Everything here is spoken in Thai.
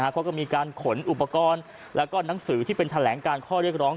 เขาก็มีการขนอุปกรณ์แล้วก็หนังสือที่เป็นแถลงการข้อเรียกร้อง